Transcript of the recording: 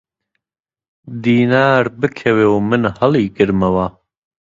دینار بکەوێ و من هەڵیگرمەوە!